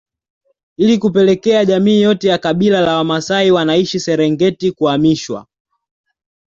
Ili kupelekea jamii yote ya kabila la Wamasai wanaishi Serengeti kuhamishwa